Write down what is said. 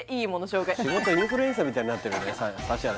紹介仕事インフルエンサーみたいになってる指原